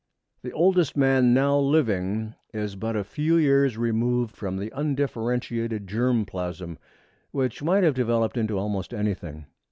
The oldest man now living is but a few years removed from the undifferentiated germ plasm, which might have developed into almost anything.